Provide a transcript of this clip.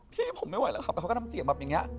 พี่ผมไม่ไหวแล้วครับแล้วเขาก็ทำเสียงแบบอย่างนี้